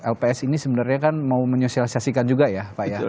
lps ini sebenarnya kan mau menyosialisasikan juga ya pak ya